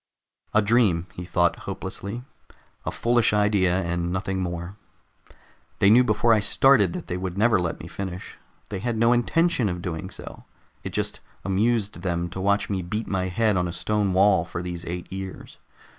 A dream, he thought hopelessly, _a foolish idea and nothing more. They knew before I started that they would never let me finish. They had no intention of doing so, it just amused them to watch me beat my head on a stone wall for these eight years.